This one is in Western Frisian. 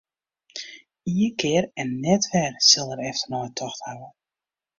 Ien kear en net wer sil er efternei tocht hawwe.